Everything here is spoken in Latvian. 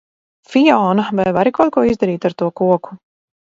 Fiona, vai vari kaut ko izdarīt ar to koku?